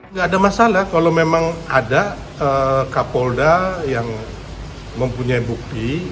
nggak ada masalah kalau memang ada kapolda yang mempunyai bukti